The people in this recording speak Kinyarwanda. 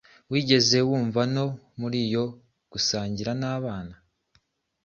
Wigeze wumvano muri yo gusangira nabana